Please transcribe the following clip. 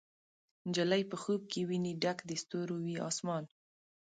نجلۍ په خوب کې ویني ډک د ستورو، وي اسمان